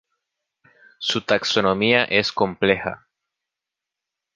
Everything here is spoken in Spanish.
Su taxonomía es compleja.